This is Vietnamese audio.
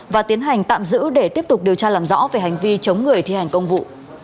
và tiến hành tạm giữ để tiếp tục điều tra làm rõ về hành vi chống người thi hành công vụ